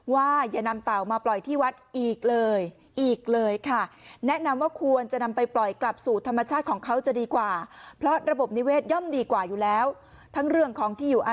อย่านำเต่ามาปล่อยที่วัดอีกเลยอีกเลยค่ะ